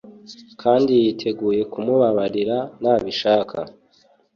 kandiyiteguye kumubabarira nabishaka.